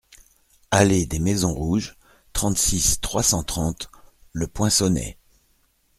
Allée des Maisons Rouges, trente-six, trois cent trente Le Poinçonnet